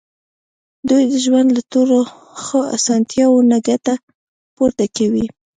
دوی د ژوند له ټولو ښو اسانتیاوو نه ګټه پورته کوي.